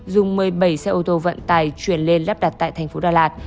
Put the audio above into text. dùng một mươi bảy xe ô tô vận tải chuyển lên lắp đặt tại thành phố đà lạt